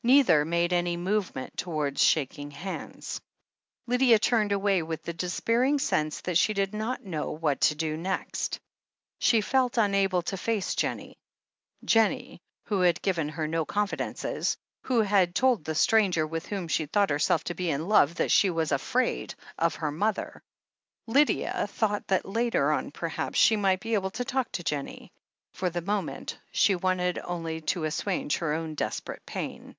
Neither made any movement towards shaking hands. Lydia turned away with the despairing sense that she did not know what to do next She felt unable to face Jennie — ^Jennie, who had given her no confidences, who had told the stranger with whom she thought herself to be in love, that she was "afraid" of her mother ! Lydia thought that later on perhaps she might be able to talk to Jennie. For the moment she wanted only to assuage her own desperate pain.